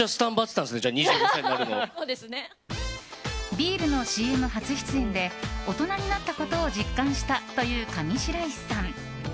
ビールのＣＭ初出演で大人になったことを実感したという上白石さん。